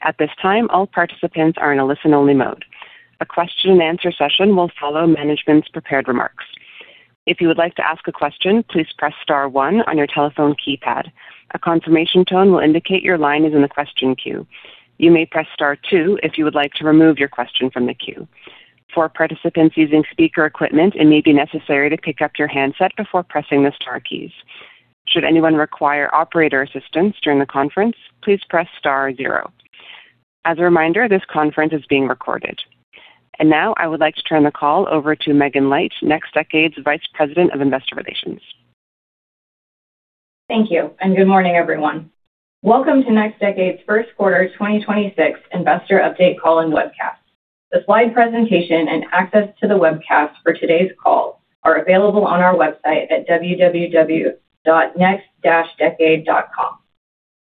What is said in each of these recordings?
At this time, all participants are in a listen-only mode. A question and answer session will follow management's prepared remarks. If you would like to ask a question, please press star one on your telephone keypad. A confirmation tone will indicate your line is in the question queue. You may press star two if you would like to remove your question from the queue. For participants using speaker equipment, it may be necessary to pick up your handset before pressing the star keys. Should anyone require operator assistance during the conference, please press star zero. As a reminder, this conference is being recorded. Now I would like to turn the call over to Megan Light, NextDecade's Vice President of Investor Relations. Thank you, good morning, everyone. Welcome to NextDecade's first quarter, 2026 investor update call and webcast. The slide presentation and access to the webcast for today's call are available on our website at www.nextdecade.com.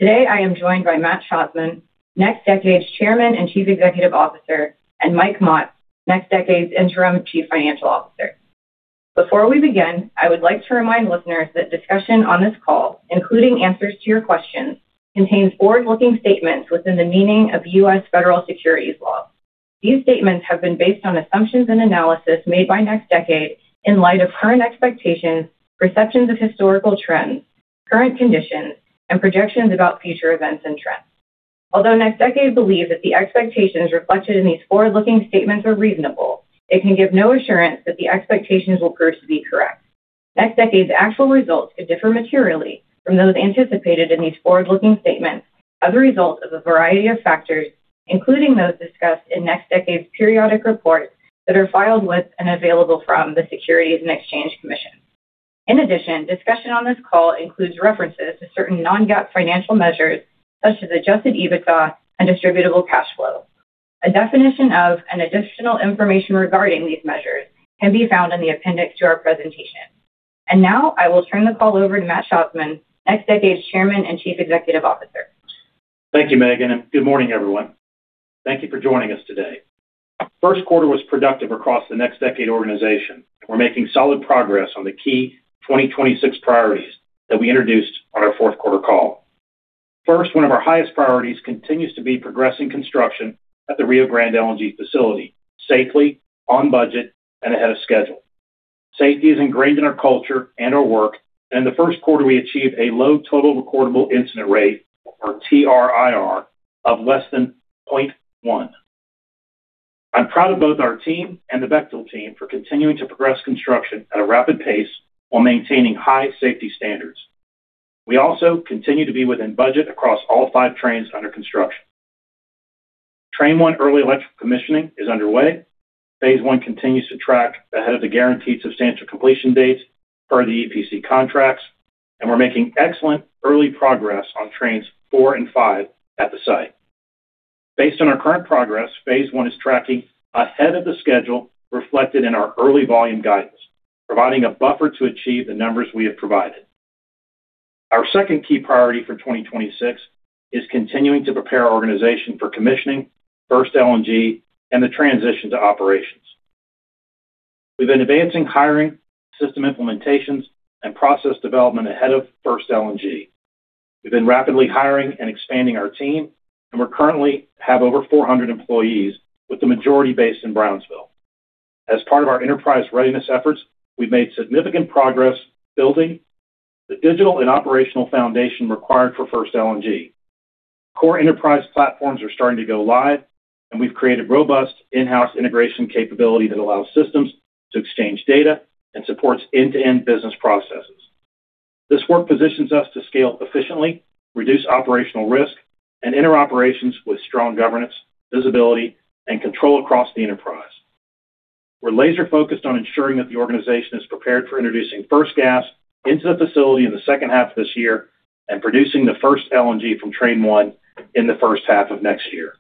Today, I am joined by Matt Schatzman, NextDecade's Chairman and Chief Executive Officer, and Mike Mott, NextDecade's Interim Chief Financial Officer. Before we begin, I would like to remind listeners that discussion on this call, including answers to your questions, contains forward-looking statements within the meaning of U.S. federal securities laws. These statements have been based on assumptions and analysis made by NextDecade in light of current expectations, perceptions of historical trends, current conditions, and projections about future events and trends. Although NextDecade believe that the expectations reflected in these forward-looking statements are reasonable, it can give no assurance that the expectations will prove to be correct. NextDecade's actual results could differ materially from those anticipated in these forward-looking statements as a result of a variety of factors, including those discussed in NextDecade's periodic reports that are filed with and available from the Securities and Exchange Commission. In addition, discussion on this call includes references to certain non-GAAP financial measures, such as Adjusted EBITDA and distributable cash flow. A definition of and additional information regarding these measures can be found in the appendix to our presentation. Now I will turn the call over to Matt Schatzman, NextDecade's Chairman and Chief Executive Officer. Thank you, Megan, and good morning, everyone. Thank you for joining us today. Our first quarter was productive across the NextDecade organization. We're making solid progress on the key 2026 priorities that we introduced on our fourth quarter call. First, one of our highest priorities continues to be progressing construction at the Rio Grande LNG facility safely, on budget, and ahead of schedule. Safety is ingrained in our culture and our work, and in the first quarter, we achieved a low total recordable incident rate, or TRIR, of less than 0.1. I'm proud of both our team and the Bechtel team for continuing to progress construction at a rapid pace while maintaining high safety standards. We also continue to be within budget across all five trains under construction. Train 1 early electric commissioning is underway. Phase I continues to track ahead of the guaranteed substantial completion dates per the EPC contracts, and we're making excellent early progress on trains 4 and 5 at the site. Based on our current progress, Phase I is tracking ahead of the schedule reflected in our early volume guidance, providing a buffer to achieve the numbers we have provided. Our second key priority for 2026 is continuing to prepare our organization for commissioning, first LNG, and the transition to operations. We've been advancing hiring, system implementations, and process development ahead of first LNG. We've been rapidly hiring and expanding our team, and we currently have over 400 employees, with the majority based in Brownsville. As part of our enterprise readiness efforts, we've made significant progress building the digital and operational foundation required for first LNG. Core enterprise platforms are starting to go live, and we've created robust in-house integration capability that allows systems to exchange data and supports end-to-end business processes. This work positions us to scale efficiently, reduce operational risk, and enter operations with strong governance, visibility, and control across the enterprise. We're laser-focused on ensuring that the organization is prepared for introducing first gas into the facility in the second half of this year and producing the first LNG from Train 1 in the first half of next year.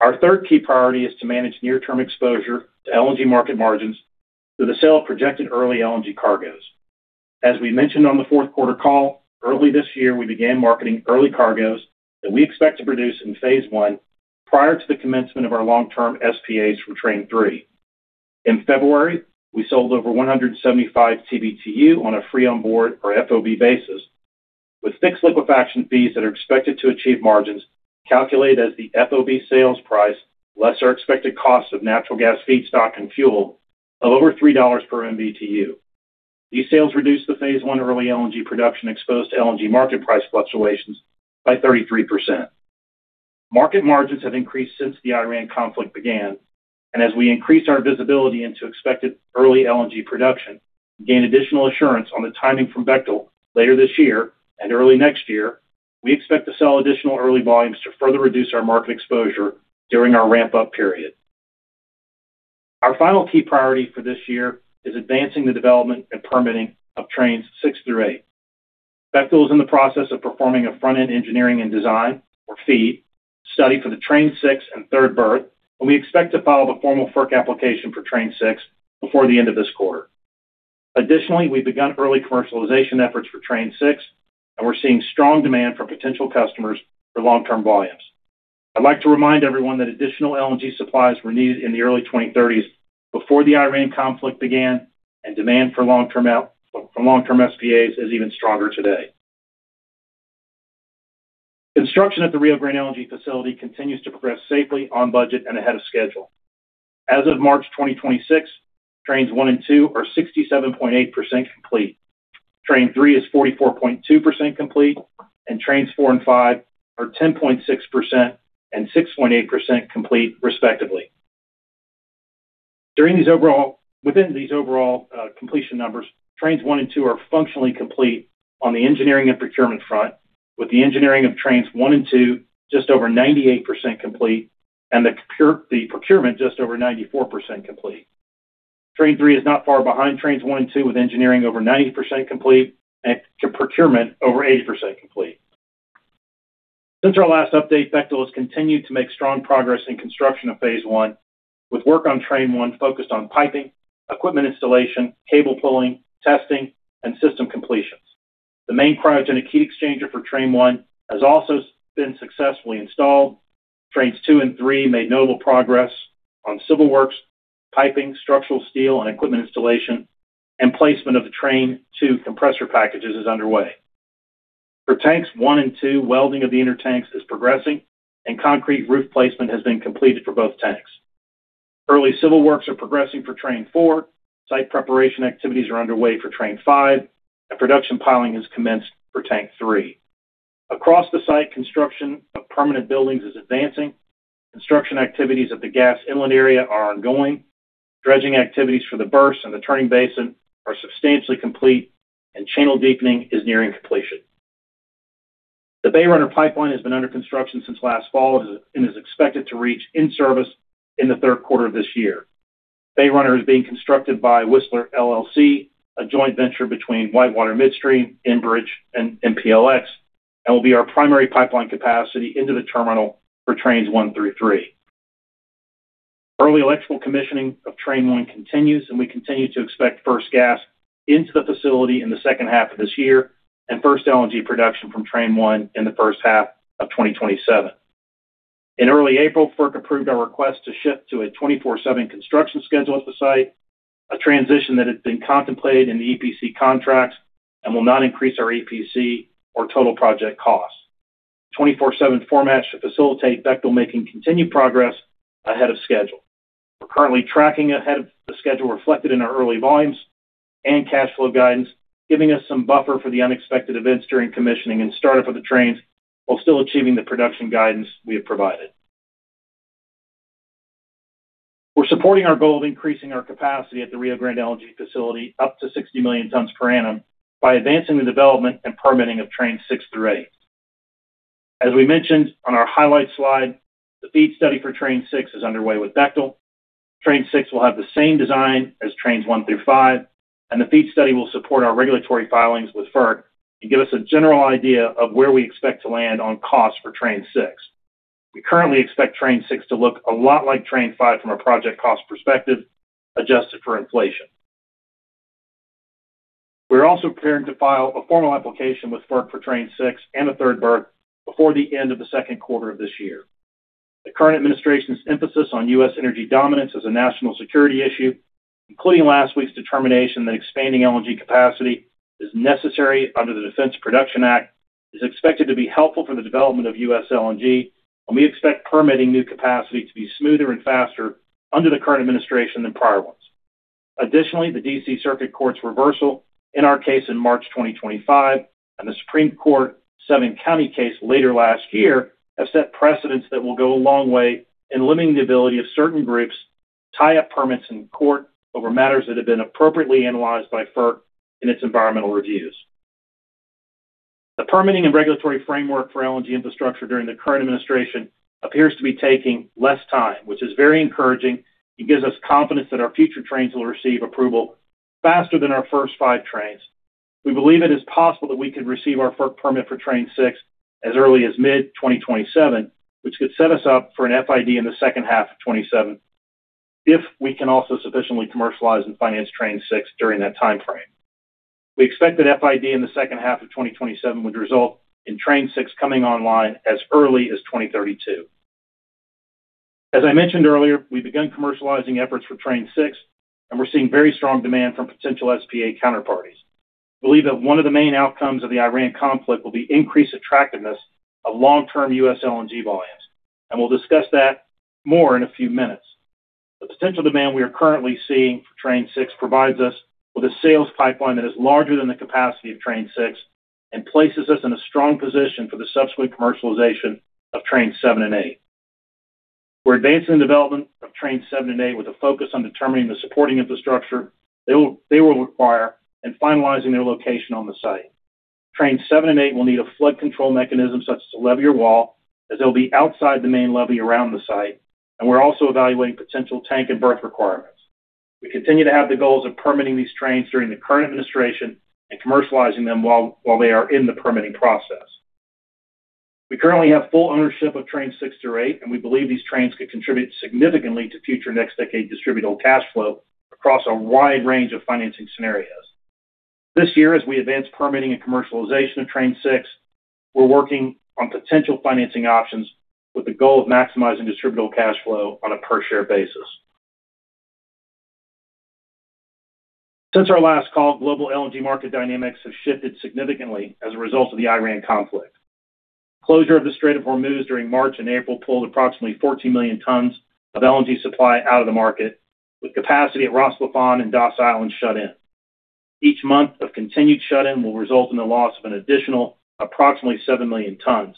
Our third key priority is to manage near-term exposure to LNG market margins through the sale of projected early LNG cargoes. As we mentioned on the fourth quarter call, early this year, we began marketing early cargoes that we expect to produce in Phase I prior to the commencement of our long-term SPAs from Train 3. In February, we sold over 175 TBtu on a free on board or FOB basis with fixed liquefaction fees that are expected to achieve margins calculated as the FOB sales price, less our expected cost of natural gas feedstock and fuel of over $3 per MMBtu. These sales reduced the phase I early LNG production exposed to LNG market price fluctuations by 33%. Market margins have increased since the Iran conflict began. As we increase our visibility into expected early LNG production and gain additional assurance on the timing from Bechtel later this year and early next year, we expect to sell additional early volumes to further reduce our market exposure during our ramp-up period. Our final key priority for this year is advancing the development and permitting of trains 6 through 8. Bechtel is in the process of performing a front-end engineering and design, or FEED, study for the train 6 and 3rd berth, and we expect to file the formal FERC application for train 6 before the end of this quarter. Additionally, we've begun early commercialization efforts for train 6, and we're seeing strong demand from potential customers for long-term volumes. I'd like to remind everyone that additional LNG supplies were needed in the early 2030s before the Iran conflict began, and demand for long-term SPAs is even stronger today. Construction at the Rio Grande LNG facility continues to progress safely on budget and ahead of schedule. As of March 2026, trains 1 and 2 are 67.8% complete. Train 3 is 44.2% complete, and trains 4 and 5 are 10.6% and 6.8% complete respectively. Within these overall completion numbers, trains 1 and 2 are functionally complete on the engineering and procurement front, with the engineering of trains 1 and 2 just over 98% complete and the procurement just over 94% complete. Train 3 is not far behind trains 1 and 2, with engineering over 90% complete and procurement over 80% complete. Since our last update, Bechtel has continued to make strong progress in construction of phase I, with work on train 1 focused on piping, equipment installation, cable pulling, testing, and system completions. The main cryogenic heat exchanger for train 1 has also been successfully installed. Trains 2 and 3 made notable progress on civil works, piping, structural steel, and equipment installation, and placement of the train 2 compressor packages is underway. For tanks 1 and 2, welding of the inner tanks is progressing, and concrete roof placement has been completed for both tanks. Early civil works are progressing for train 4. Site preparation activities are underway for train 5, and production piling has commenced for tank 3. Across the site, construction of permanent buildings is advancing. Construction activities at the gas inlet area are ongoing. Dredging activities for the berth and the turning basin are substantially complete, and channel deepening is nearing completion. The Bay Runner pipeline has been under construction since last fall and is expected to reach in-service in the third quarter of this year. Bay Runner is being constructed by Whistler LLC, a joint venture between WhiteWater Midstream, Enbridge, and MPLX and will be our primary pipeline capacity into the terminal for trains 1 through 3. Early electrical commissioning of train 1 continues. We continue to expect first gas into the facility in the second half of this year and first LNG production from train 1 in the first half of 2027. In early April, FERC approved our request to shift to a 24/7 construction schedule at the site, a transition that had been contemplated in the EPC contracts and will not increase our EPC or total project costs. 24/7 format should facilitate Bechtel making continued progress ahead of schedule. We're currently tracking ahead of the schedule reflected in our early volumes and cash flow guidance, giving us some buffer for the unexpected events during commissioning and startup of the trains while still achieving the production guidance we have provided. We're supporting our goal of increasing our capacity at the Rio Grande LNG facility up to 60 million tons per annum by advancing the development and permitting of trains 6 through 8. As we mentioned on our highlights slide, the FEED study for train 6 is underway with Bechtel. Train 6 will have the same design as trains 1 through 5, and the FEED study will support our regulatory filings with FERC and give us a general idea of where we expect to land on cost for train 6. We currently expect train 6 to look a lot like train 5 from a project cost perspective, adjusted for inflation. We're also preparing to file a formal application with FERC for train 6 and a third berth before the end of the second quarter of this year. The current administration's emphasis on U.S. energy dominance as a national security issue, including last week's determination that expanding LNG capacity is necessary under the Defense Production Act, is expected to be helpful for the development of U.S. LNG, and we expect permitting new capacity to be smoother and faster under the current administration than prior ones. Additionally, the D.C. Circuit Court's reversal in our case in March 2025 and the Supreme Court Seven County case later last year have set precedents that will go a long way in limiting the ability of certain groups to tie up permits in court over matters that have been appropriately analyzed by FERC in its environmental reviews. The permitting and regulatory framework for LNG infrastructure during the current administration appears to be taking less time, which is very encouraging. It gives us confidence that our future trains will receive approval faster than our first five trains. We believe it is possible that we could receive our FERC permit for train 6 as early as mid-2027, which could set us up for an FID in the second half of 2027 if we can also sufficiently commercialize and finance train 6 during that timeframe. We expect that FID in the second half of 2027 would result in train 6 coming online as early as 2032. As I mentioned earlier, we've begun commercializing efforts for train 6, and we're seeing very strong demand from potential SPA counterparties. We believe that one of the main outcomes of the Iran conflict will be increased attractiveness of long-term U.S. LNG volumes, and we'll discuss that more in a few minutes. The potential demand we are currently seeing for train six provides us with a sales pipeline that is larger than the capacity of train six and places us in a strong position for the subsequent commercialization of trains seven and eight. We're advancing the development of trains seven and eight with a focus on determining the supporting infrastructure they will require and finalizing their location on the site. Trains seven and eight will need a flood control mechanism such as a levee or wall, as they'll be outside the main levee around the site, and we're also evaluating potential tank and berth requirements. We continue to have the goals of permitting these trains during the current administration and commercializing them while they are in the permitting process. We currently have full ownership of trains 6 through 8, and we believe these trains could contribute significantly to future NextDecade distributable cash flow across a wide range of financing scenarios. This year, as we advance permitting and commercialization of Train 6, we're working on potential financing options with the goal of maximizing distributable cash flow on a per-share basis. Since our last call, global LNG market dynamics have shifted significantly as a result of the Iran conflict. Closure of the Strait of Hormuz during March and April pulled approximately 14 million tons of LNG supply out of the market, with capacity at Ras Laffan and Das Island shut in. Each month of continued shut in will result in the loss of an additional approximately 7 million tons,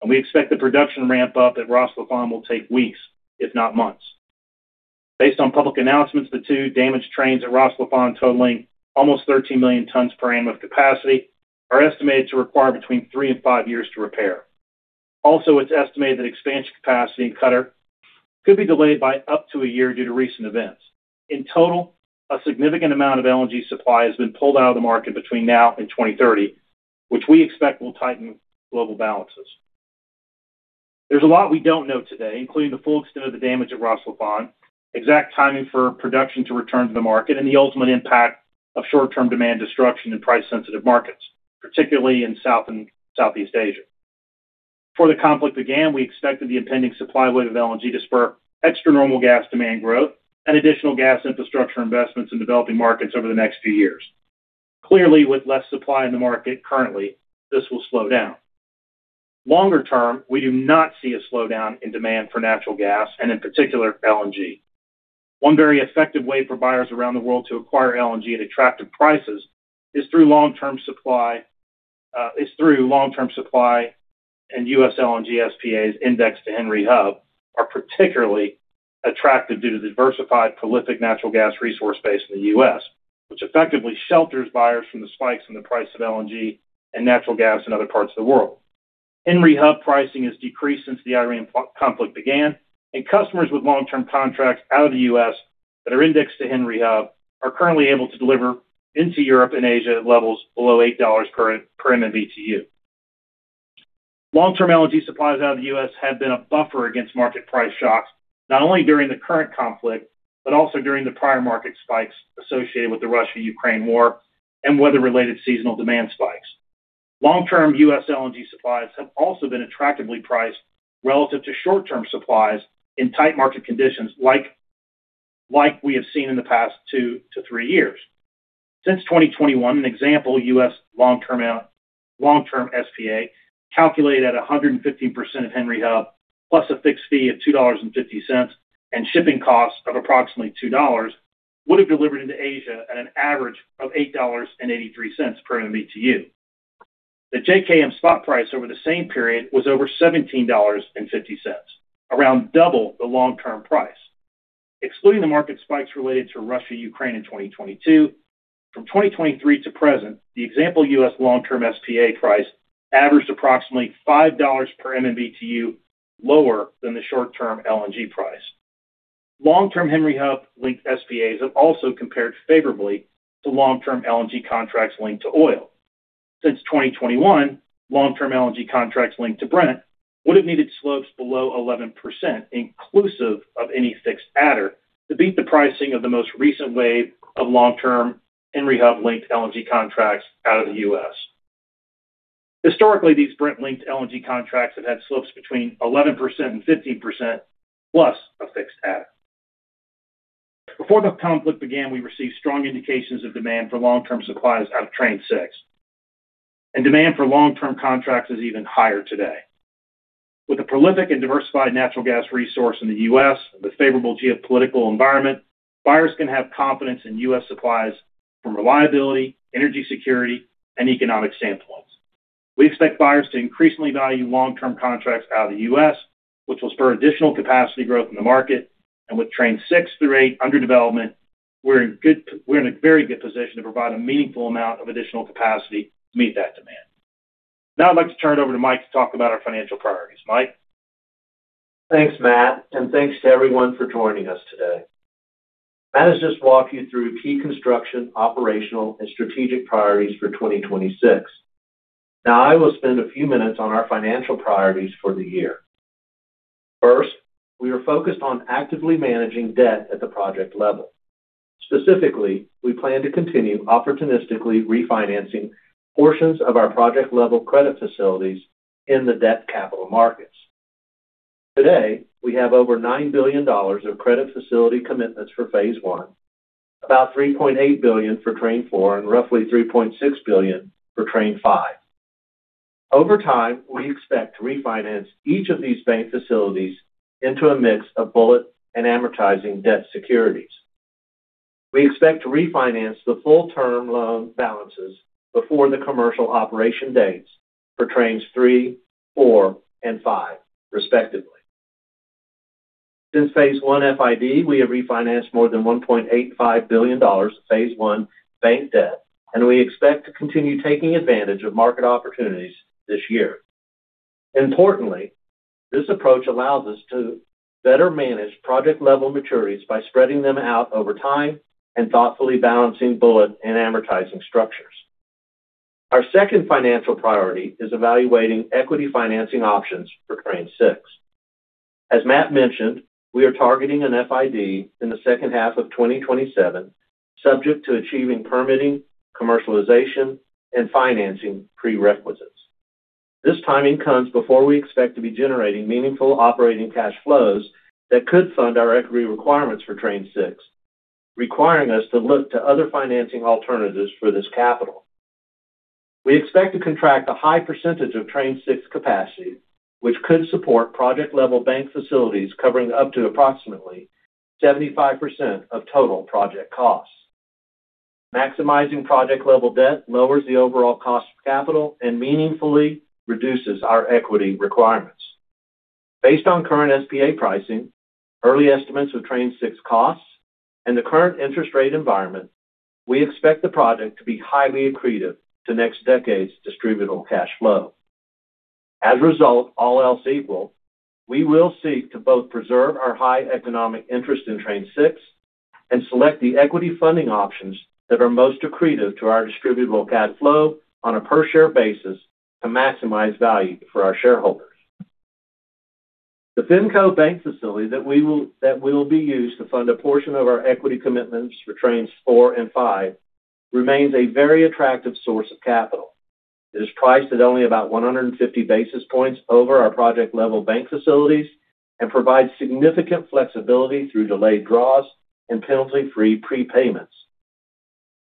and we expect the production ramp up at Ras Laffan will take weeks, if not months. Based on public announcements, the two damaged trains at Ras Laffan totaling almost 13 million tons per annum of capacity are estimated to require between three and five years to repair. Also, it's estimated that expansion capacity in Qatar could be delayed by up to a year due to recent events. In total, a significant amount of LNG supply has been pulled out of the market between now and 2030, which we expect will tighten global balances. There's a lot we don't know today, including the full extent of the damage at Ras Laffan, exact timing for production to return to the market, and the ultimate impact of short-term demand destruction in price-sensitive markets, particularly in South and Southeast Asia. Before the conflict began, we expected the impending supply wave of LNG to spur extra-normal gas demand growth and additional gas infrastructure investments in developing markets over the next few years. Clearly, with less supply in the market currently, this will slow down. Longer term, we do not see a slowdown in demand for natural gas and in particular LNG. One very effective way for buyers around the world to acquire LNG at attractive prices is through long-term supply and U.S. LNG SPAs indexed to Henry Hub are particularly attractive due to the diversified prolific natural gas resource base in the U.S., which effectively shelters buyers from the spikes in the price of LNG and natural gas in other parts of the world. Henry Hub pricing has decreased since the Iran conflict began, and customers with long-term contracts out of the U.S. that are indexed to Henry Hub are currently able to deliver into Europe and Asia at levels below $8 per MMBtu. Long-term LNG supplies out of the U.S. have been a buffer against market price shocks, not only during the current conflict, but also during the prior market spikes associated with the Russia-Ukraine war and weather-related seasonal demand spikes. Long-term U.S. LNG supplies have also been attractively priced relative to short-term supplies in tight market conditions like we have seen in the past two-three years. Since 2021, an example U.S. long-term, long-term SPA calculated at 115% of Henry Hub plus a fixed fee of $2.50 and shipping costs of approximately $2 would have delivered into Asia at an average of $8.83 per MMBtu. The JKM spot price over the same period was over $17.50, around double the long-term price. Excluding the market spikes related to Russia-Ukraine in 2022, from 2023 to present, the example U.S. long-term SPA price averaged approximately $5 per MMBtu, lower than the short-term LNG price. Long-term Henry Hub linked SPAs have also compared favorably to long-term LNG contracts linked to oil. Since 2021, long-term LNG contracts linked to Brent would have needed slopes below 11% inclusive of any fixed adder to beat the pricing of the most recent wave of long-term Henry Hub-linked LNG contracts out of the U.S. Historically, these Brent-linked LNG contracts have had slopes between 11% and 15% plus a fixed adder. Before the conflict began, we received strong indications of demand for long-term supplies out of Train 6. Demand for long-term contracts is even higher today. With a prolific and diversified natural gas resource in the U.S. and the favorable geopolitical environment, buyers can have confidence in U.S. supplies from reliability, energy security, and economic standpoints. We expect buyers to increasingly value long-term contracts out of the U.S., which will spur additional capacity growth in the market. With Train 6 through eight under development, we're in a very good position to provide a meaningful amount of additional capacity to meet that demand. I'd like to turn it over to Mike to talk about our financial priorities. Mike? Thanks, Matt, and thanks to everyone for joining us today. Matt has just walked you through key construction, operational, and strategic priorities for 2026. I will spend a few minutes on our financial priorities for the year. First, we are focused on actively managing debt at the project level. Specifically, we plan to continue opportunistically refinancing portions of our project-level credit facilities in the debt capital markets. Today, we have over $9 billion of credit facility commitments for Phase I, about $3.8 billion for Train 4, and roughly $3.6 billion for Train 5. Over time, we expect to refinance each of these bank facilities into a mix of bullet and amortizing debt securities. We expect to refinance the full term loan balances before the commercial operation dates for Trains 3, 4, and 5, respectively. Since Phase I FID, we have refinanced more than $1.85 billion of Phase I bank debt, and we expect to continue taking advantage of market opportunities this year. Importantly, this approach allows us to better manage project-level maturities by spreading them out over time and thoughtfully balancing bullet and amortizing structures. Our second financial priority is evaluating equity financing options for Train 6. As Matt mentioned, we are targeting an FID in the second half of 2027, subject to achieving permitting, commercialization, and financing prerequisites. This timing comes before we expect to be generating meaningful operating cash flows that could fund our equity requirements for Train 6, requiring us to look to other financing alternatives for this capital. We expect to contract a high percentage of Train 6 capacity, which could support project-level bank facilities covering up to approximately 75% of total project costs. Maximizing project-level debt lowers the overall cost of capital and meaningfully reduces our equity requirements. Based on current SPA pricing, early estimates of Train 6 costs, and the current interest rate environment, we expect the project to be highly accretive to NextDecade's distributable cash flow. As a result, all else equal, we will seek to both preserve our high economic interest in Train 6 and select the equity funding options that are most accretive to our distributable cash flow on a per-share basis to maximize value for our shareholders. The FinCo bank facility that will be used to fund a portion of our equity commitments for Trains 4 and 5 remains a very attractive source of capital. It is priced at only about 150 basis points over our project-level bank facilities and provides significant flexibility through delayed draws and penalty-free prepayments.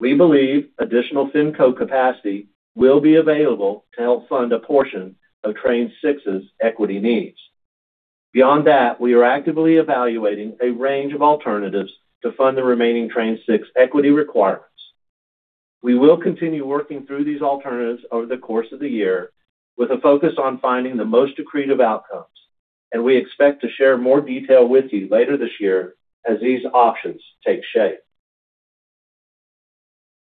We believe additional FinCo capacity will be available to help fund a portion of Train 6's equity needs. Beyond that, we are actively evaluating a range of alternatives to fund the remaining Train 6 equity requirements. We will continue working through these alternatives over the course of the year with a focus on finding the most accretive outcomes, and we expect to share more detail with you later this year as these options take shape.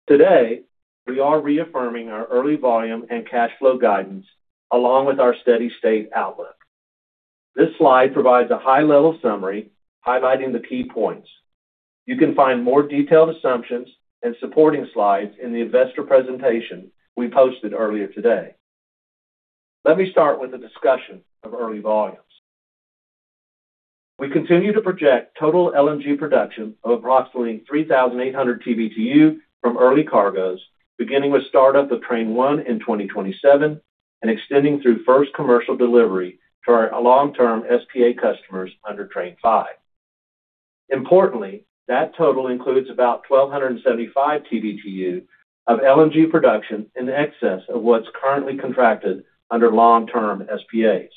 Today, we are reaffirming our early volume and cash flow guidance along with our steady-state outlook. This slide provides a high-level summary highlighting the key points. You can find more detailed assumptions and supporting slides in the investor presentation we posted earlier today. Let me start with a discussion of early volumes. We continue to project total LNG production of approximately 3,800 TBtu from early cargoes, beginning with startup of Train 1 in 2027 and extending through first commercial delivery to our long-term SPA customers under Train 5. Importantly, that total includes about 1,275 TBtu of LNG production in excess of what's currently contracted under long-term SPAs.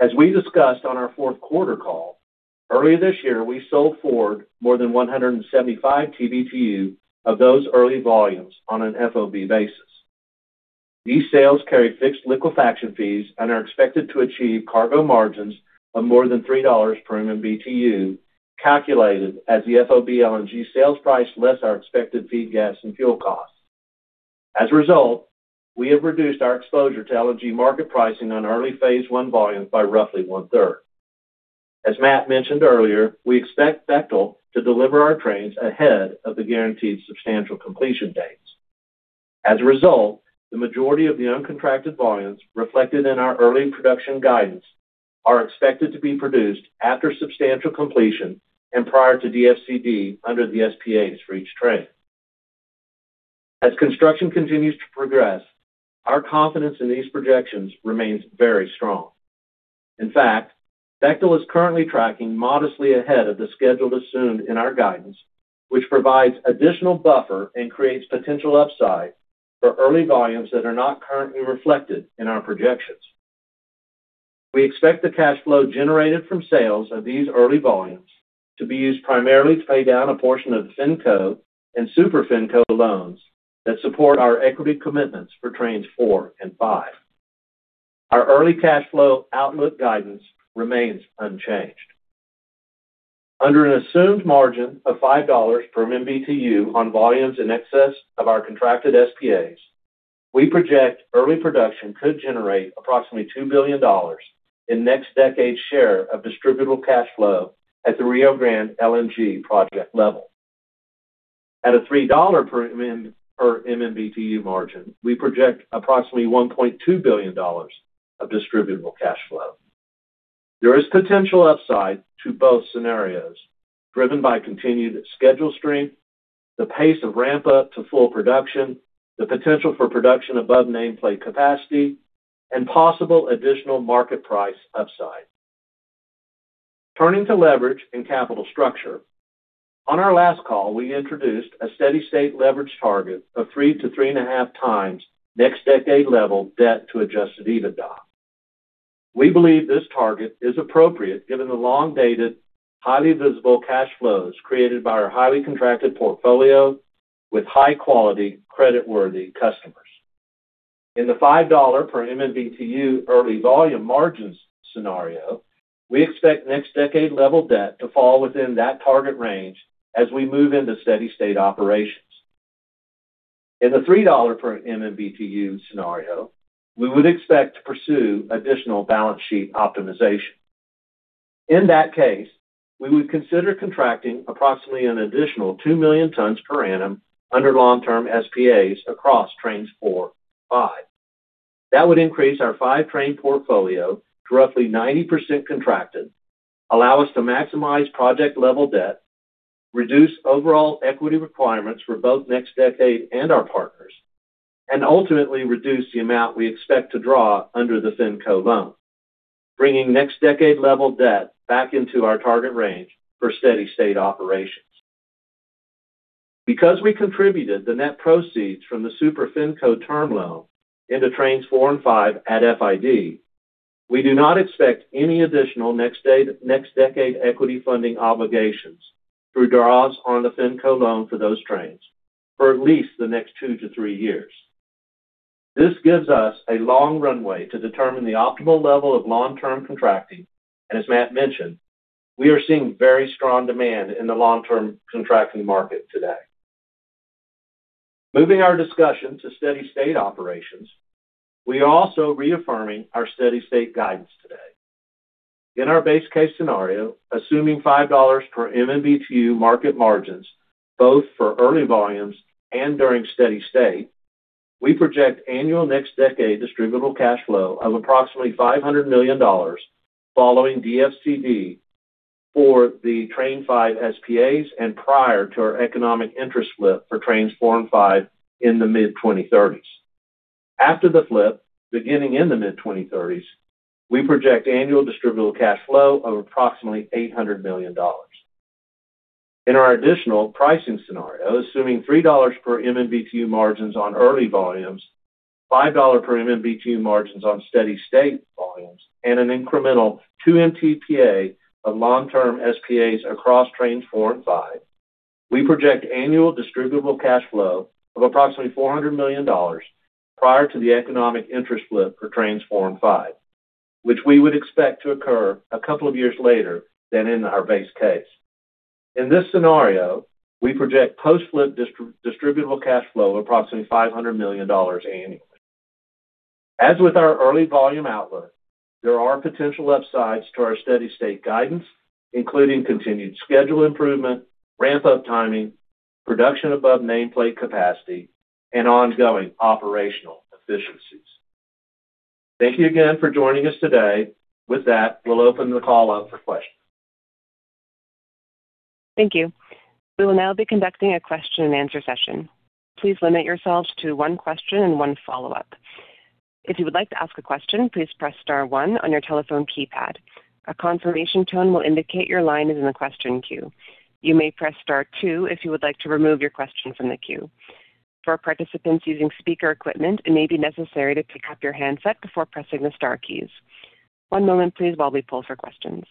As we discussed on our fourth-quarter call, earlier this year, we sold forward more than 175 TBtu of those early volumes on an FOB basis. These sales carry fixed liquefaction fees and are expected to achieve cargo margins of more than $3 per MMBTU, calculated as the FOB LNG sales price less our expected feed gas and fuel costs. As a result, we have reduced our exposure to LNG market pricing on early phase I volumes by roughly one-third. As Matt mentioned earlier, we expect Bechtel to deliver our trains ahead of the guaranteed substantial completion dates. As a result, the majority of the uncontracted volumes reflected in our early production guidance are expected to be produced after substantial completion and prior to DFCD under the SPAs for each train. As construction continues to progress, our confidence in these projections remains very strong. In fact, Bechtel is currently tracking modestly ahead of the schedule assumed in our guidance, which provides additional buffer and creates potential upside for early volumes that are not currently reflected in our projections. We expect the cash flow generated from sales of these early volumes to be used primarily to pay down a portion of the FinCo and Super FinCo loans that support our equity commitments for Trains 4 and 5. Our early cash flow outlook guidance remains unchanged. Under an assumed margin of $5 per MMBtu on volumes in excess of our contracted SPAs, we project early production could generate approximately $2 billion in NextDecade's share of distributable cash flow at the Rio Grande LNG project level. At a $3 per MMBtu margin, we project approximately $1.2 billion of distributable cash flow. There is potential upside to both scenarios, driven by continued schedule strength, the pace of ramp-up to full production, the potential for production above nameplate capacity, and possible additional market price upside. Turning to leverage and capital structure. On our last call, we introduced a steady-state leverage target of 3x-3.5x NextDecade-level debt to Adjusted EBITDA. We believe this target is appropriate given the long-dated, highly visible cash flows created by our highly contracted portfolio with high-quality creditworthy customers. In the $5 per MMBtu early volume margins scenario, we expect NextDecade level debt to fall within that target range as we move into steady-state operations. In the $3 per MMBtu scenario, we would expect to pursue additional balance sheet optimization. In that case, we would consider contracting approximately an additional 2 million tons per annum under long-term SPAs across trains 4 and 5. That would increase our 5-train portfolio to roughly 90% contracted, allow us to maximize project level debt, reduce overall equity requirements for both NextDecade and our partners, and ultimately reduce the amount we expect to draw under the FinCo loan, bringing NextDecade level debt back into our target range for steady-state operations. Because we contributed the net proceeds from the Super FinCo term loan into trains 4 and 5 at FID, we do not expect any additional NextDecade equity funding obligations through draws on the FinCo loan for those trains for at least the next two-three years. This gives us a long runway to determine the optimal level of long-term contracting. As Matt mentioned, we are seeing very strong demand in the long-term contracting market today. Moving our discussion to steady-state operations, we are also reaffirming our steady-state guidance today. In our base case scenario, assuming $5 per MMBtu market margins, both for early volumes and during steady state, we project annual NextDecade distributable cash flow of approximately $500 million following DFCD for the train 5 SPAs and prior to our economic interest flip for trains 4 and 5 in the mid-2030s. After the flip, beginning in the mid-2030s, we project annual distributable cash flow of approximately $800 million. In our additional pricing scenario, assuming $3 per MMBtu margins on early volumes, $5 per MMBtu margins on steady-state volumes, and an incremental 2 MTPA of long-term SPAs across trains 4 and 5, we project annual distributable cash flow of approximately $400 million prior to the economic interest flip for trains 4 and 5, which we would expect to occur a couple of years later than in our base case. In this scenario, we project post-flip distributable cash flow of approximately $500 million annually. As with our early volume outlook, there are potential upsides to our steady-state guidance, including continued schedule improvement, ramp-up timing, production above nameplate capacity, and ongoing operational efficiencies. Thank you again for joining us today. With that, we'll open the call up for questions. Thank you. We will now be conducting a question-and-answer session. Please limit yourselves to one question and one follow-up. If you would like to ask a question, please press star one on your telephone keypad. A confirmation tone will indicate your line is in the question queue. You may press star two if you would like to remove your question from the queue. For participants using speaker equipment, it may be necessary to pick up your handset before pressing the star keys. One moment, please, while we pull for questions.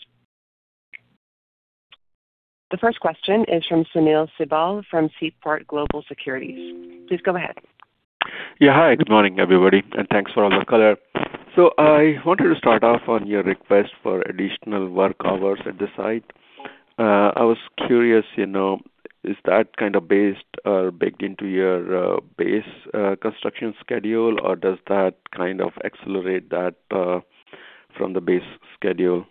The first question is from Sunil Sibal from Seaport Global Securities. Please go ahead. Yeah. Hi, good morning, everybody, and thanks for all the color. I wanted to start off on your request for additional work hours at the site. I was curious, you know, is that kind of based, baked into your base construction schedule, or does that kind of accelerate that from the base schedule?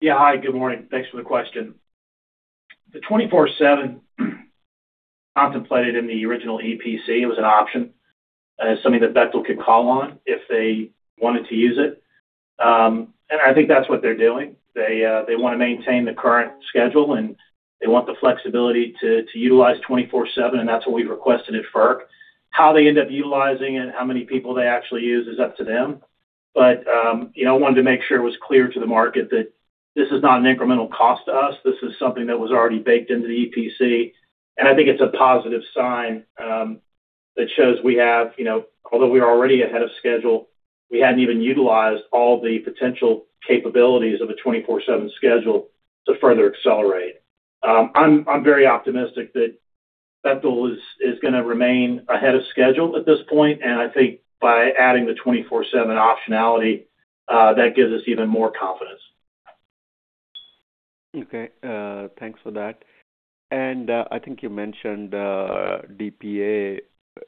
Yeah. Hi, good morning. Thanks for the question. The 24/7 contemplated in the original EPC, it was an option, something that Bechtel could call on if they wanted to use it. I think that's what they're doing. They wanna maintain the current schedule, and they want the flexibility to utilize 24/7, and that's what we requested at FERC. How they end up utilizing it, how many people they actually use is up to them. You know, we wanted to make sure it was clear to the market that this is not an incremental cost to us. This is something that was already baked into the EPC, I think it's a positive sign that shows we have, you know, although we are already ahead of schedule, we hadn't even utilized all the potential capabilities of a 24/7 schedule to further accelerate. I'm very optimistic that Bechtel is gonna remain ahead of schedule at this point. I think by adding the 24/7 optionality that gives us even more confidence. Okay. Thanks for that. I think you mentioned DPA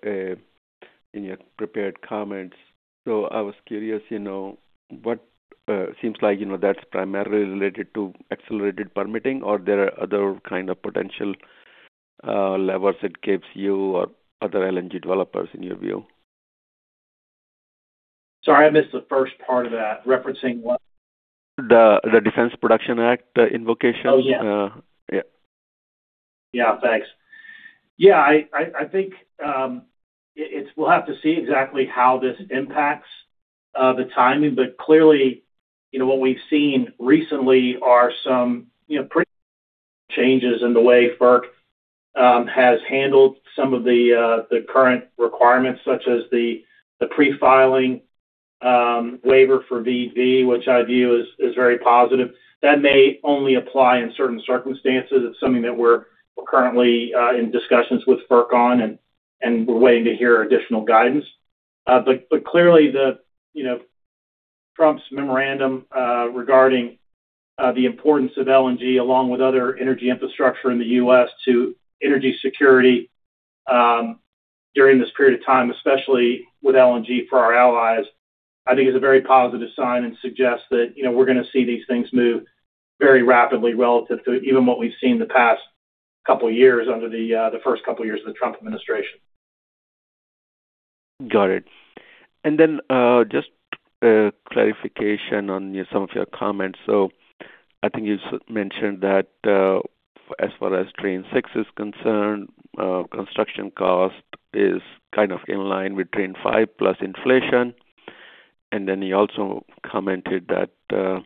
in your prepared comments. I was curious, you know, what seems like, you know, that's primarily related to accelerated permitting or there are other kind of potential levers it gives you or other LNG developers in your view? Sorry, I missed the first part of that. Referencing what? The Defense Production Act, the invocation. Oh, yeah. Yeah. Thanks. I think we'll have to see exactly how this impacts the timing. Clearly, you know, what we've seen recently are some, you know, pretty changes in the way FERC has handled some of the current requirements, such as the pre-filing waiver for Venture Global, which I view is very positive. That may only apply in certain circumstances. It's something that we're currently in discussions with FERC on, and we're waiting to hear additional guidance. Clearly the, you know, Trump's memorandum regarding. The importance of LNG along with other energy infrastructure in the U.S. to energy security, during this period of time, especially with LNG for our allies, I think is a very positive sign and suggests that, you know, we're gonna see these things move very rapidly relative to even what we've seen the past couple of years under the first couple of years of the Trump administration. Got it. Just a clarification on some of your comments. I think you mentioned that, as far as train 6 is concerned, construction cost is kind of in line with train 5 plus inflation. You also commented that,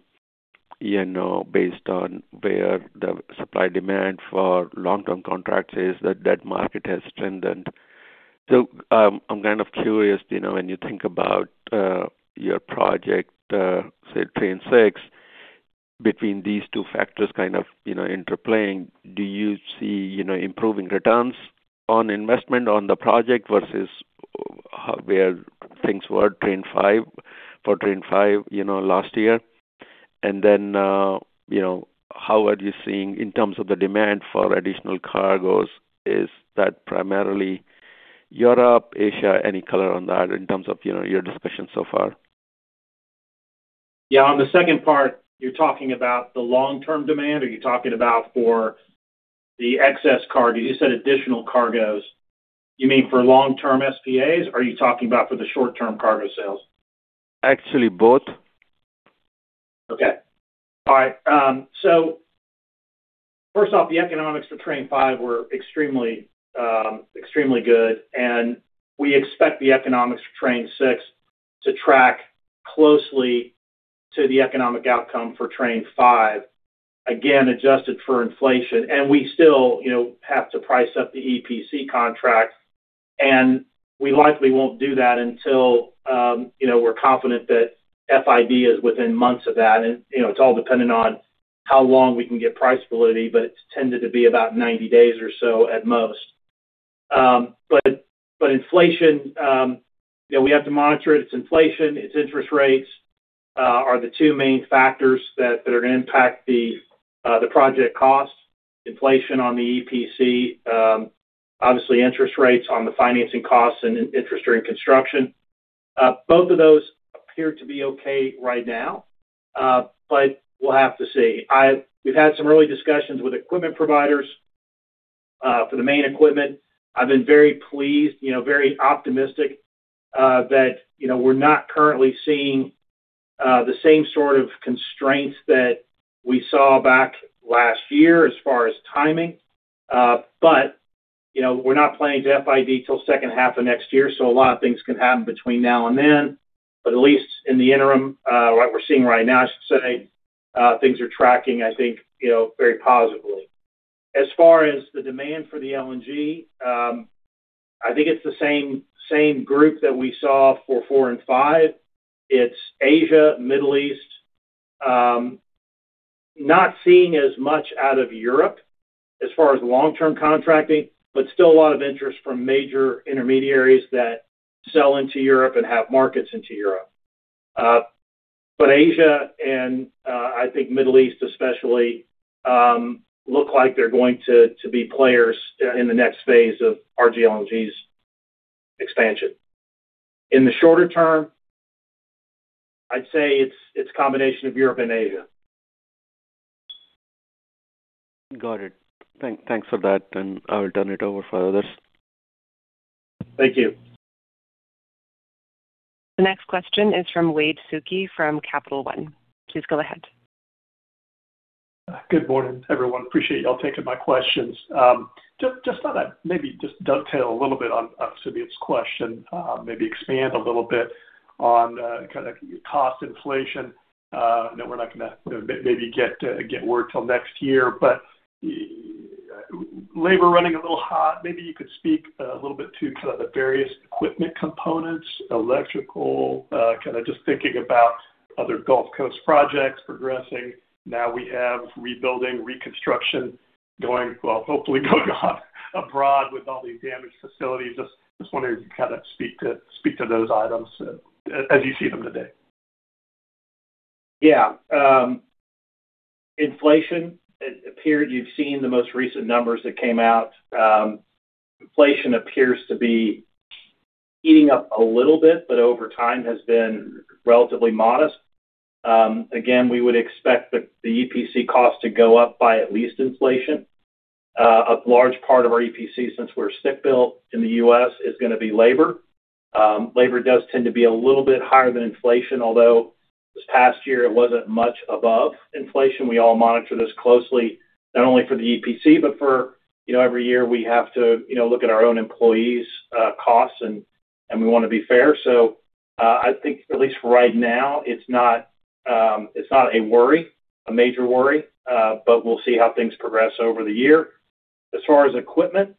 you know, based on where the supply demand for long-term contracts is, that that market has strengthened. I'm kind of curious, you know, when you think about your project, say train 6, between these two factors kind of, you know, interplaying, do you see, you know, improving returns on investment on the project versus for train 5, you know, last year? How are you seeing in terms of the demand for additional cargoes, is that primarily Europe, Asia? Any color on that in terms of, you know, your discussion so far? Yeah. On the second part, you're talking about the long-term demand? Are you talking about for the excess cargo? You said additional cargoes. You mean for long-term SPAs? Or are you talking about for the short-term cargo sales? Actually, both. Okay. All right. First off, the economics for train 5 were extremely good, we expect the economics for train 6 to track closely to the economic outcome for train 5, again, adjusted for inflation. We still, you know, have to price up the EPC contracts, we likely won't do that until, you know, we're confident that FID is within months of that. You know, it's all dependent on how long we can get price ability, it's tended to be about 90 days or so at most. Inflation, you know, we have to monitor it. It's inflation, it's interest rates, are the two main factors that are gonna impact the project costs. Inflation on the EPC, obviously interest rates on the financing costs and interest during construction. Both of those appear to be okay right now, but we'll have to see. We've had some early discussions with equipment providers for the main equipment. I've been very pleased, you know, very optimistic, that, you know, we're not currently seeing the same sort of constraints that we saw back last year as far as timing. You know, we're not planning to FID till second half of next year, so a lot of things can happen between now and then. At least in the interim, what we're seeing right now, I should say, things are tracking, I think, you know, very positively. As far as the demand for the LNG, I think it's the same group that we saw for four and five. It's Asia, Middle East. Not seeing as much out of Europe as far as long-term contracting, but still a lot of interest from major intermediaries that sell into Europe and have markets into Europe. Asia and, I think Middle East especially, look like they're going to be players, in the next phase of our LNGs expansion. In the shorter term, I'd say it's a combination of Europe and Asia. Got it. Thanks for that, and I will turn it over for others. Thank you. The next question is from Wade Suki from Capital One. Please go ahead. Good morning, everyone. Appreciate y'all taking my questions. Just thought I'd maybe just dovetail a little bit on Sunil Sibal's question, maybe expand a little bit on kinda cost inflation. I know we're not gonna, you know, maybe get word till next year. Labor running a little hot, maybe you could speak a little bit to kind of the various equipment components, electrical, kinda just thinking about other Gulf Coast projects progressing. Now we have rebuilding, reconstruction hopefully going on abroad with all these damaged facilities. Just wondering if you kind of speak to those items as you see them today. Yeah. Inflation, you've seen the most recent numbers that came out. Inflation appears to be heating up a little bit, but over time has been relatively modest. Again, we would expect the EPC cost to go up by at least inflation. A large part of our EPC, since we're stick-built in the U.S., is gonna be labor. Labor does tend to be a little bit higher than inflation, although this past year it wasn't much above inflation. We all monitor this closely, not only for the EPC, but for, you know, every year we have to, you know, look at our own employees' costs, and we wanna be fair. I think at least for right now, it's not a worry, a major worry, but we'll see how things progress over the year. As far as equipment,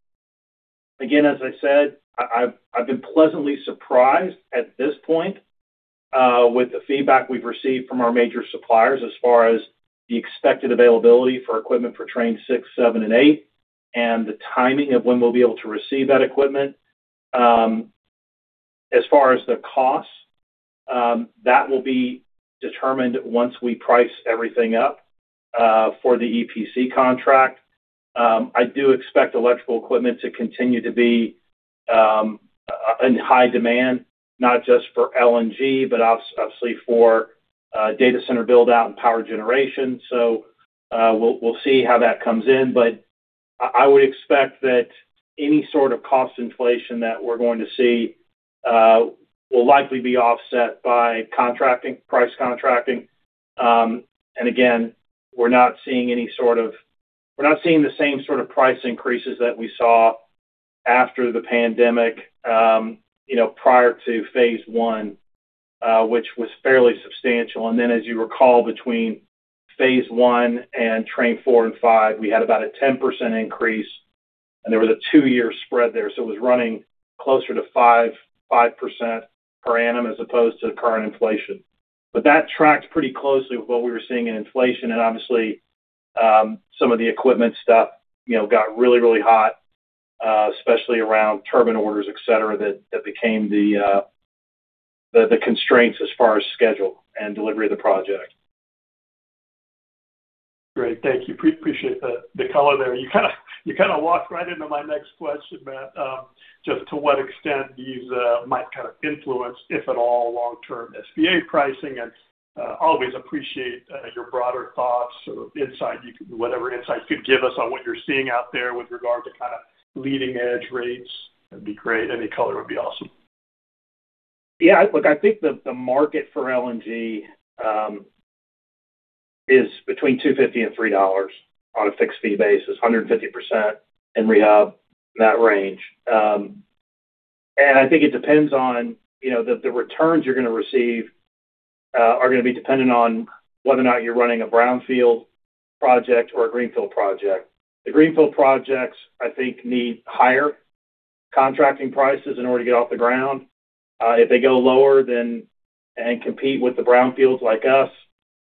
again, as I said, I've been pleasantly surprised at this point with the feedback we've received from our major suppliers as far as the expected availability for equipment for train 6, 7, and 8, and the timing of when we'll be able to receive that equipment. As far as the cost, that will be determined once we price everything up for the EPC contract. I do expect electrical equipment to continue to be in high demand, not just for LNG, but obviously for data center build-out and power generation. We'll see how that comes in. I would expect that any sort of cost inflation that we're going to see will likely be offset by contracting, price contracting. Again, we're not seeing the same sort of price increases that we saw after the pandemic, you know, prior to phase I, which was fairly substantial. Then as you recall, between phase I and train 4 and 5, we had about a 10% increase, and there was a two-year spread there. It was running closer to 5% per annum as opposed to current inflation. That tracked pretty closely with what we were seeing in inflation. Obviously, some of the equipment stuff, you know, got really, really hot, especially around turbine orders, et cetera, that became the constraints as far as schedule and delivery of the project. Great. Thank you. Appreciate the color there. You kind of walked right into my next question, Matt, just to what extent these might kind of influence, if at all, long-term SPA pricing. Always appreciate whatever insight you could give us on what you're seeing out there with regard to kind of leading edge rates. That'd be great. Any color would be awesome. Yeah, look, I think the market for LNG is between $2.50 and $3 on a fixed fee basis, 150% in rehab, in that range. I think it depends on, you know, the returns you're gonna receive are gonna be dependent on whether or not you're running a brownfield project or a greenfield project. The greenfield projects, I think, need higher contracting prices in order to get off the ground. If they go lower and compete with the brownfields like us,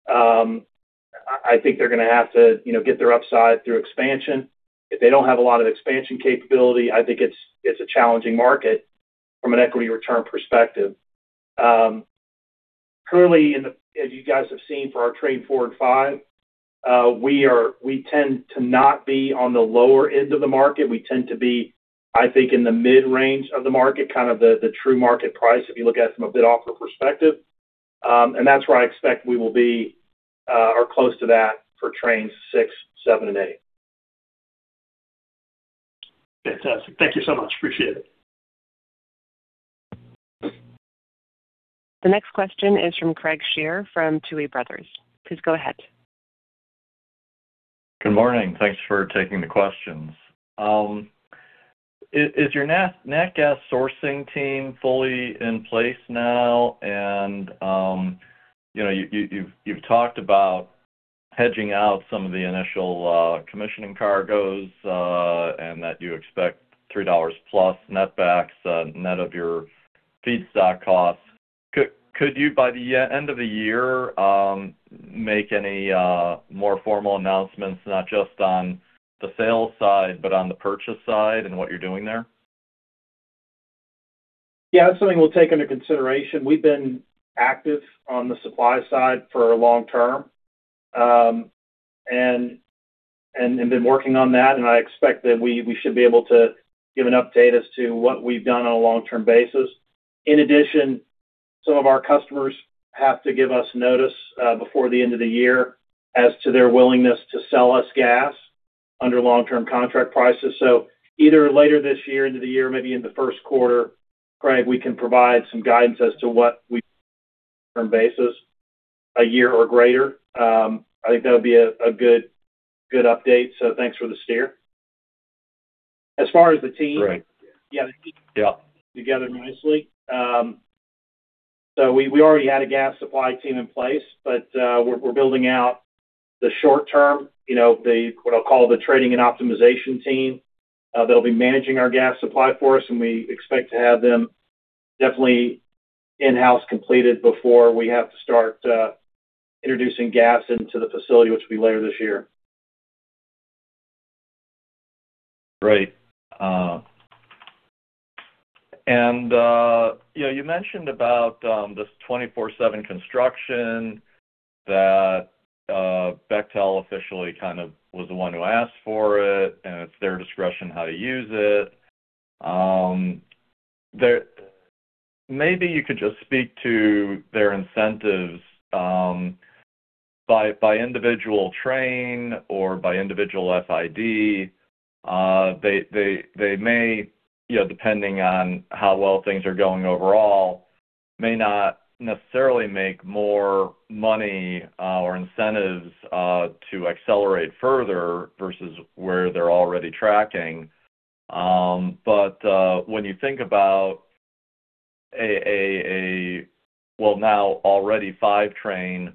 I think they're gonna have to, you know, get their upside through expansion. If they don't have a lot of expansion capability, I think it's a challenging market from an equity return perspective. Currently as you guys have seen for our train 4 and 5, we tend to not be on the lower end of the market. We tend to be, I think, in the mid-range of the market, kind of the true market price if you look at it from a bid offer perspective. That's where I expect we will be or close to that for trains 6, 7, and 8. Fantastic. Thank you so much. Appreciate it. The next question is from Craig Shere from Tuohy Brothers. Please go ahead. Good morning. Thanks for taking the questions. Is your nat gas sourcing team fully in place now? You know, you've talked about hedging out some of the initial commissioning cargoes and that you expect $3 plus net backs net of your feedstock costs. Could you, by the end of the year, make any more formal announcements not just on the sales side, but on the purchase side and what you're doing there? Yeah, that's something we'll take into consideration. We've been active on the supply side for long term, and been working on that. I expect that we should be able to give an update as to what we've done on a long-term basis. In addition, some of our customers have to give us notice before the end of the year as to their willingness to sell us gas under long-term contract prices. Either later this year into the year, maybe in the first quarter, Craig Shere, we can provide some guidance as to what we term basis one year or greater. I think that'll be a good update. Thanks for the steer. Great. Yeah. Yeah Together nicely. We already had a gas supply team in place, but we're building out the short term, you know, what I'll call the trading and optimization team. They'll be managing our gas supply for us, and we expect to have them definitely in-house completed before we have to start introducing gas into the facility, which will be later this year. Great. You know, you mentioned about this 24/7 construction that Bechtel officially kind of was the one who asked for it, and it's their discretion how to use it. Maybe you could just speak to their incentives by individual train or by individual FID. They may, you know, depending on how well things are going overall, may not necessarily make more money or incentives to accelerate further versus where they're already tracking. When you think about a, well, now already 5-train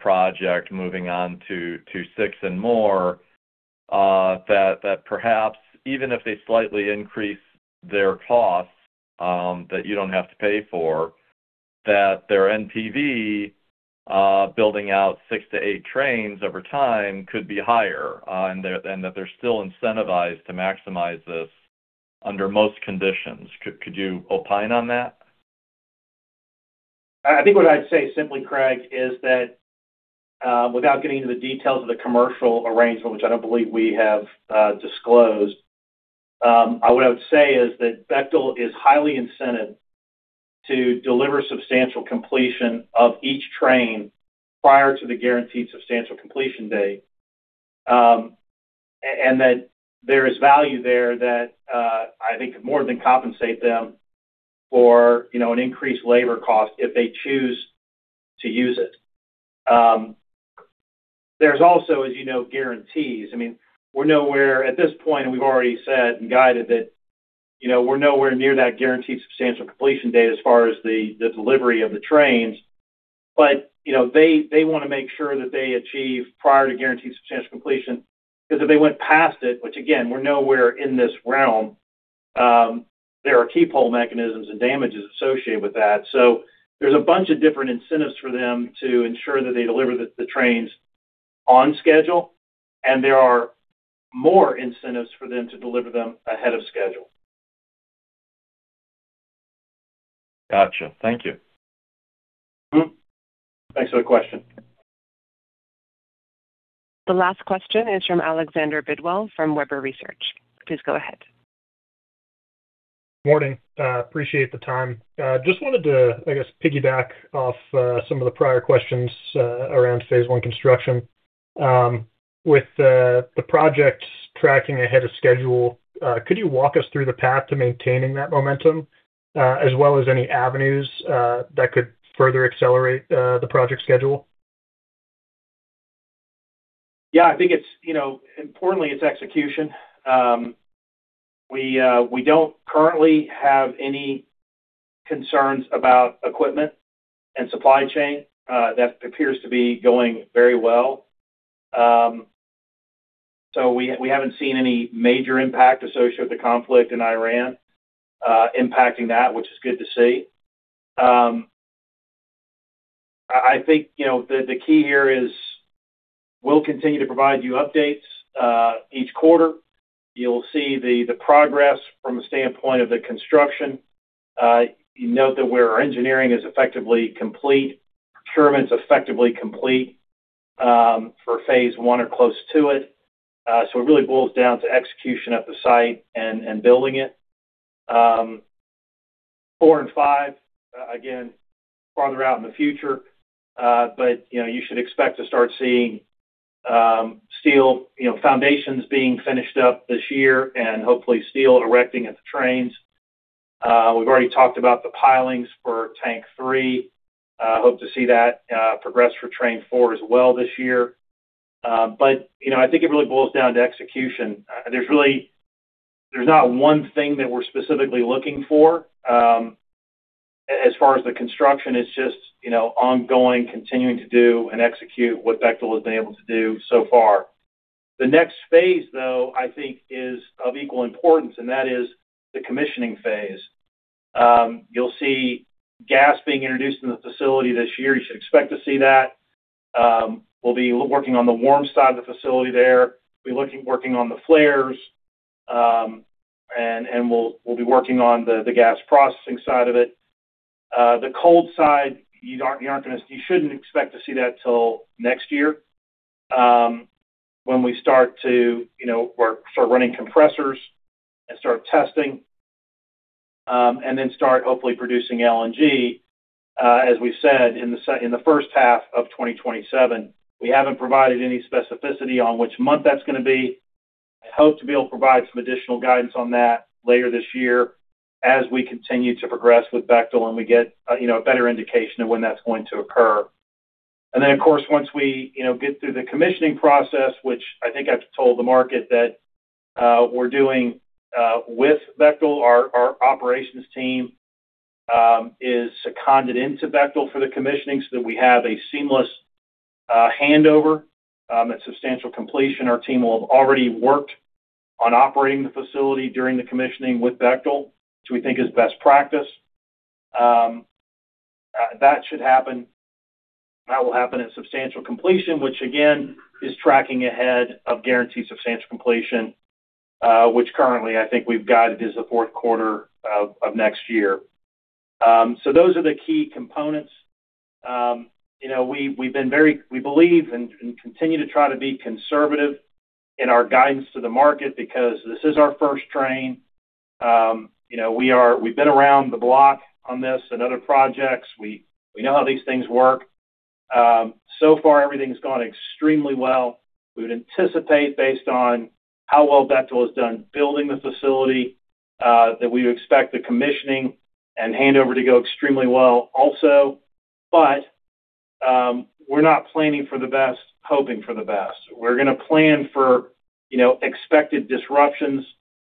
project moving on to six and more, that perhaps even if they slightly increase their costs, that you don't have to pay for. That their NPV, building out six-eight trains over time could be higher, and that they're still incentivized to maximize this under most conditions. Could you opine on that? I think what I'd say simply, Craig, is that, without getting into the details of the commercial arrangement, which I don't believe we have, disclosed, what I would say is that Bechtel is highly incented to deliver substantial completion of each train prior to the guaranteed substantial completion date. That there is value there that, I think could more than compensate them for, you know, an increased labor cost if they choose to use it. There's also, as you know, guarantees. I mean, we're nowhere at this point, and we've already said and guided that, you know, we're nowhere near that guaranteed substantial completion date as far as the delivery of the trains. You know, they wanna make sure that they achieve prior to guaranteed substantial completion. If they went past it, which again, we're nowhere in this realm, there are clawback mechanisms and damages associated with that. There's a bunch of different incentives for them to ensure that they deliver the trains on schedule. There are more incentives for them to deliver them ahead of schedule. Gotcha. Thank you. Thanks for the question. The last question is from Alexander Bidwell from Webber Research. Please go ahead. Morning. Appreciate the time. Just wanted to, I guess, piggyback off some of the prior questions around phase 1 construction. With the project tracking ahead of schedule, could you walk us through the path to maintaining that momentum, as well as any avenues that could further accelerate the project schedule? I think it's, you know, importantly it's execution. We don't currently have any concerns about equipment and supply chain. That appears to be going very well. We haven't seen any major impact associated with the conflict in Iran impacting that, which is good to see. I think, you know, the key here is we'll continue to provide you updates each quarter. You'll see the progress from the standpoint of the construction. You note that where our engineering is effectively complete, procurement's effectively complete for phase I or close to it. It really boils down to execution at the site and building it. 4 and 5, again, farther out in the future, but you know, you should expect to start seeing, steel, you know, foundations being finished up this year and hopefully steel erecting at the trains. We've already talked about the pilings for tank 3. Hope to see that progress for train 4 as well this year. You know, I think it really boils down to execution. There's not one thing that we're specifically looking for, as far as the construction. It's just, you know, ongoing, continuing to do and execute what Bechtel has been able to do so far. The next phase, though, I think, is of equal importance, and that is the commissioning phase. You'll see gas being introduced in the facility this year. You should expect to see that. We'll be working on the warm side of the facility there. We'll be working on the flares, and we'll be working on the gas processing side of it. The cold side, you shouldn't expect to see that till next year, when we start to, you know, start running compressors and start testing, and then start hopefully producing LNG, as we said in the first half of 2027. We haven't provided any specificity on which month that's gonna be. I hope to be able to provide some additional guidance on that later this year as we continue to progress with Bechtel and we get, you know, a better indication of when that's going to occur. Of course, once we, you know, get through the commissioning process, which I think I've told the market that we're doing with Bechtel. Our operations team is seconded into Bechtel for the commissioning so that we have a seamless handover at substantial completion. Our team will have already worked on operating the facility during the commissioning with Bechtel, which we think is best practice. That will happen at substantial completion, which again, is tracking ahead of guaranteed substantial completion, which currently I think we've guided is the fourth quarter of next year. Those are the key components. You know, we believe and continue to try to be conservative in our guidance to the market because this is our first train. You know, we've been around the block on this and other projects. We know how these things work. So far everything's gone extremely well. We would anticipate based on how well Bechtel has done building the facility, that we expect the commissioning and handover to go extremely well also. We're not planning for the best, hoping for the best. We're gonna plan for, you know, expected disruptions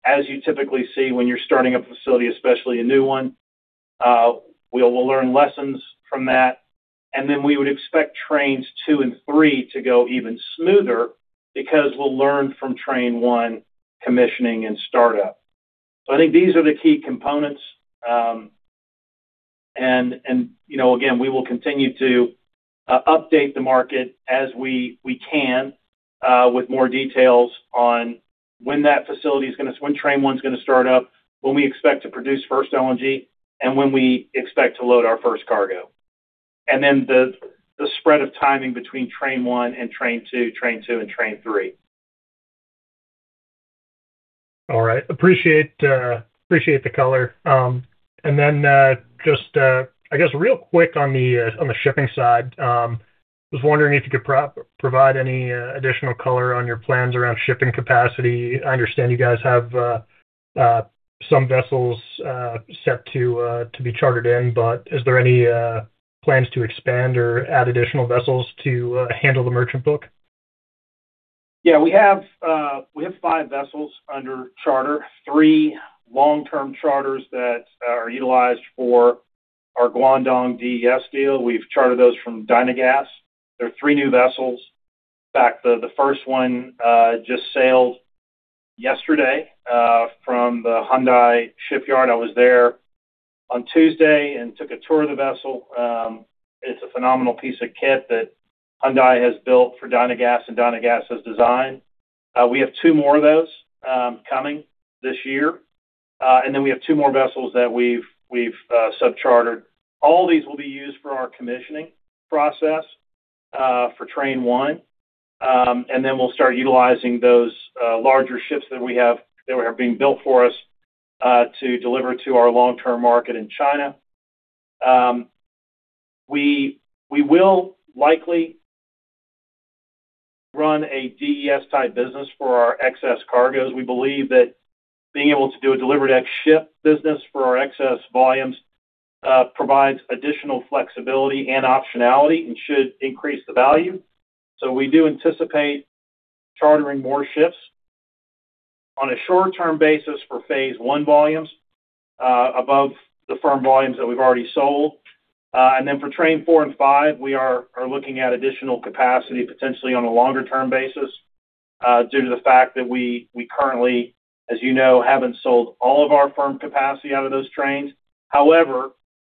as you typically see when you're starting a facility, especially a new one. We'll learn lessons from that. We would expect trains 2 and 3 to go even smoother because we'll learn from train 1 commissioning and startup. I think these are the key components. You know, again, we will continue to update the market as we can with more details on when train 1's going to start up, when we expect to produce first LNG, and when we expect to load our first cargo. Then the spread of timing between train 1 and train 2, train 2 and train 3. All right. Appreciate the color. Just, I guess real quick on the shipping side, I was wondering if you could provide any additional color on your plans around shipping capacity. I understand you guys have some vessels set to be chartered in, but is there any plans to expand or add additional vessels to handle the merchant book? Yeah. We have five vessels under charter. Three long-term charters that are utilized for our Guangdong DES deal. We've chartered those from Dynagas. They're three new vessels. In fact, the first one just sailed yesterday from the Hyundai shipyard. I was there on Tuesday and took a tour of the vessel. It's a phenomenal piece of kit that Hyundai has built for Dynagas and Dynagas has designed. We have two more of those coming this year. We have two more vessels that we've sub-chartered. All these will be used for our commissioning process for train 1. We'll start utilizing those larger ships that are being built for us to deliver to our long-term market in China. We will likely run a DES-type business for our excess cargoes. We believe that being able to do a delivered ex ship business for our excess volumes provides additional flexibility and optionality and should increase the value. We do anticipate chartering more ships on a short-term basis for phase I volumes above the firm volumes that we've already sold. For train 4 and 5, we are looking at additional capacity potentially on a longer-term basis due to the fact that we currently, as you know, haven't sold all of our firm capacity out of those trains.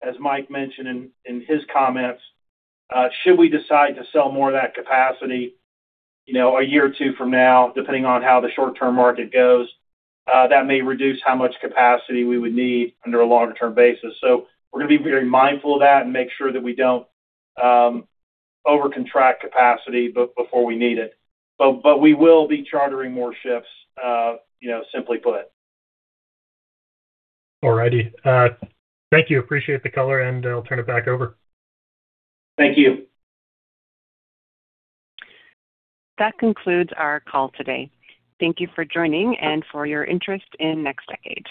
As Mike mentioned in his comments, should we decide to sell more of that capacity, you know, a year or two from now, depending on how the short-term market goes, that may reduce how much capacity we would need under a longer-term basis. We're gonna be very mindful of that and make sure that we don't over-contract capacity before we need it. We will be chartering more ships, you know, simply put. All righty. Thank you. Appreciate the color. I'll turn it back over. Thank you. That concludes our call today. Thank you for joining and for your interest in NextDecade.